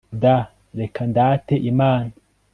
d reka ndate imana